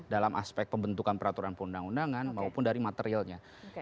dalam aspek pembentukan peraturan perundang undangan maupun dari materialnya